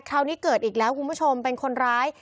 คราวนี้เกิดอีกแล้วคุณผู้ชมเป็นคนร้าย